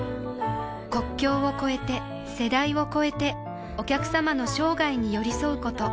国境を超えて世代を超えてお客様の生涯に寄り添うこと